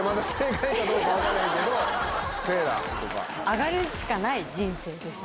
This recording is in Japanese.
「上がるしかない人生です」。